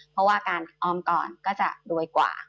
เพราะว่าการออมก่อนก็จะรวยกว่า